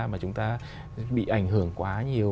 mà chúng ta bị ảnh hưởng quá nhiều